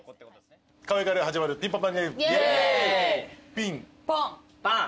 ピンポンパン。